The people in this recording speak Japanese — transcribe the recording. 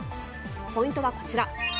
ポイントはこちら。